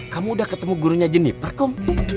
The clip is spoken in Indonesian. kamu udah ketemu gurunya jeniper kom